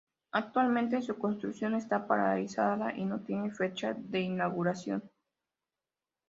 Actualmente su construcción está paralizada y no tiene fecha de inauguración.